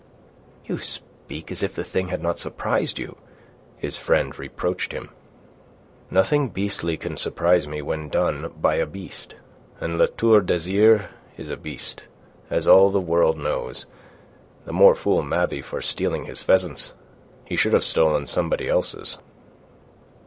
"You speak as if the thing had not surprised you," his friend reproached him. "Nothing beastly can surprise me when done by a beast. And La Tour d'Azyr is a beast, as all the world knows. The more fool Mabey for stealing his pheasants. He should have stolen somebody else's."